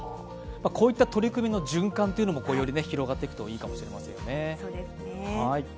こういった取り組みの循環というのも、より広がっていくと、いいかもしれりませんね。